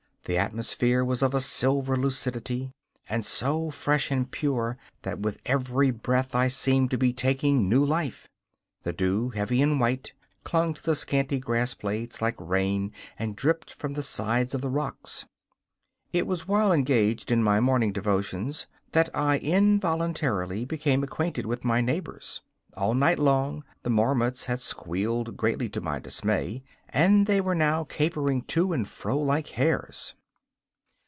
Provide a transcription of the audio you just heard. The atmosphere was of a silver lucidity, and so fresh and pure that with every breath I seemed to be taking new life. The dew, heavy and white, clung to the scanty grass blades like rain and dripped from the sides of the rocks. It was while engaged in my morning devotions that I involuntarily became acquainted with my neighbours. All night long the marmots had squealed, greatly to my dismay, and they were now capering to and fro like hares.